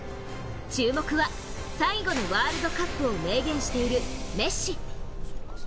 注目は、最後のワールドカップを明言しているメッシ。